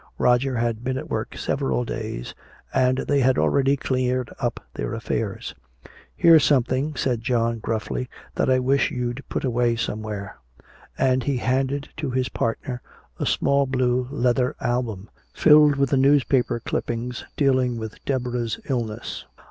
Roger had been at work several days and they had already cleared up their affairs. "Here's something," said John gruffly, "that I wish you'd put away somewhere." And he handed to his partner a small blue leather album, filled with the newspaper clippings dealing with Deborah's illness.